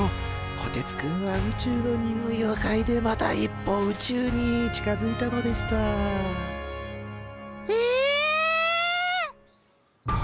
こてつくんは宇宙のにおいをかいでまた一歩宇宙に近づいたのでしたえっ！？